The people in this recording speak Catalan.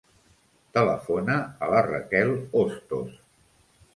Telefona a la Raquel Ostos.